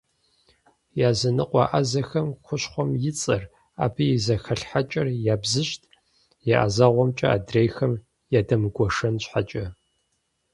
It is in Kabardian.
Языныкъуэ ӏэзэхэм хущхъуэм и цӏэр, абы и зэхэлъхьэкӏэр ябзыщӏт, я ӏэзэгъуэмкӏэ адрейхэм ядэмыгуэшэн щхьэкӏэ.